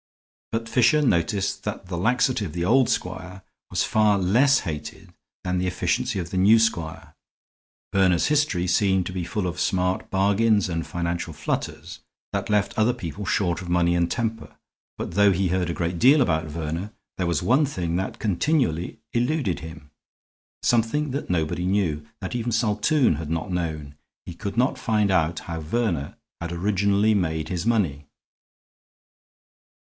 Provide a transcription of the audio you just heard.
But Fisher noticed that the laxity of the old squire was far less hated than the efficiency of the new squire. Verner's history seemed to be full of smart bargains and financial flutters that left other people short of money and temper. But though he heard a great deal about Verner, there was one thing that continually eluded him; something that nobody knew, that even Saltoun had not known. He could not find out how Verner had originally made his money.